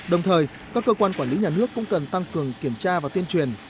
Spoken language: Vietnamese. đồng thời các cơ quan quản lý nhà nước cũng cần tăng cường kiểm tra và tuyên truyền